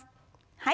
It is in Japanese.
はい。